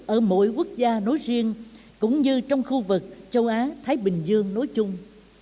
ở mỗi quốc gia nối riêng cũng như trong khu vực châu á thái bình dương nói chung